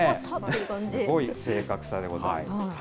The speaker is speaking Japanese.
すごい正確さでございます。